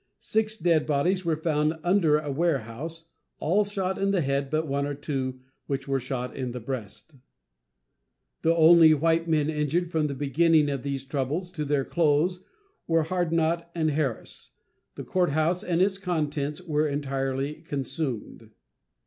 Six dead bodies were found under a warehouse, all shot in the head but one or two, which were shot in the breast. The only white men injured from the beginning of these troubles to their close were Hadnot and Harris. The court house and its contents were entirely consumed.